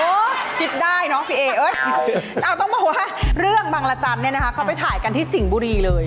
เอ๊ะต้องบอกว่าเรื่องบางรจรเขาไปถ่ายกันที่สิ่งบุรีเลย